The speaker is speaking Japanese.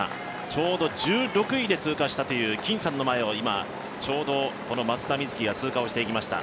ちょうど１６位で通過したという金さんの前をちょうど松田瑞生が通過していきました。